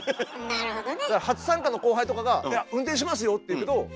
なるほどね。